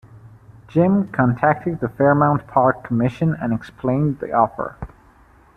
Jim contacted the Fairmount Park Commission and explained the offer.